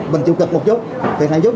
bình chụp cực một chút thiệt hạn chút